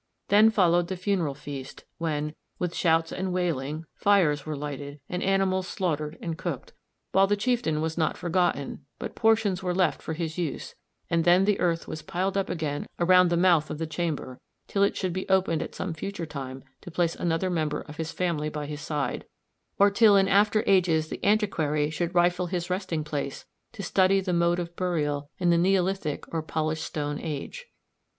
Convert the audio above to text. Then followed the funeral feast, when, with shouts and wailing, fires were lighted, and animals slaughtered and cooked, while the chieftain was not forgotten, but portions were left for his use, and then the earth was piled up again around the mouth of the chamber, till it should be opened at some future time to place another member of his family by his side, or till in after ages the antiquary should rifle his resting place to study the mode of burial in the Neolithic or Polished Stone Age.